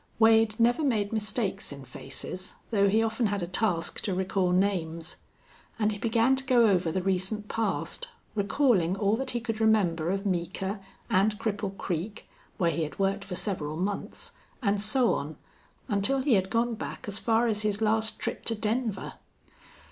Wade never made mistakes in faces, though he often had a task to recall names. And he began to go over the recent past, recalling all that he could remember of Meeker, and Cripple Creek, where he had worked for several months, and so on, until he had gone back as far as his last trip to Denver.